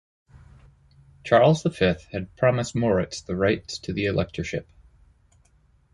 Charles the Fifth had promised Moritz the rights to the electorship.